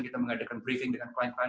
kita mengadakan briefing dengan klien klien